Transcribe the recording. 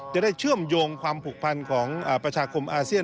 เชื่อมโยงความผูกพันของประชาคมอาเซียน